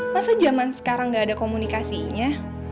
masa zaman sekarang gak ada komunikasinya